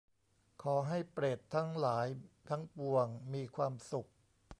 ขอให้เปรตทั้งหลายทั้งปวงมีความสุข